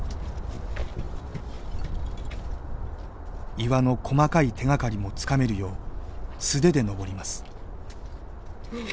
岩の細かい手がかりもつかめるよう素手で登ります。